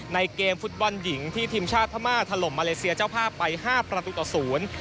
ในเกมฟุตบอลหญิงที่ทีมชาติพม่าถล่มมาเลเซียเจ้าภาพไปห้าประตูต่อศูนย์